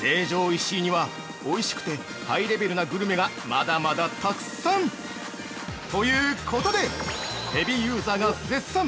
石井には、おいしくてハイレベルなグルメがまだまだたくさん！ということで、ヘビーユーザーが絶賛！